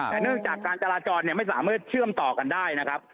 แต่เนื่องจากการจราจรไม่สามารถเชื่อมต่อกันได้นะครับ